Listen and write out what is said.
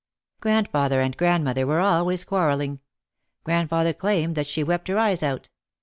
Grandfather and grandmother were always quarrel ling. Grandfather claimed that she wept her eyes out.